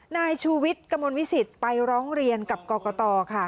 นายชูวิทร์กมวิสิทธิ์ไปร้องเรียนกับกตค่ะ